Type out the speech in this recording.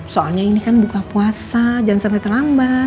soalnya ini kan buka puasa jangan sampai terlambat